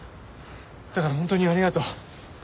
だから本当にありがとう。